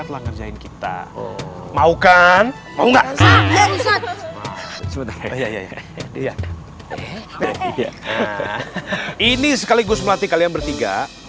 telah ngerjain kita mau kan mau gak mau enggak ustadz oh iya ini sekaligus melatih kalian bertiga untuk bisa menjaga perempuan ya tapi ingat anterin lilis ke rumahnya dengan selama lima jam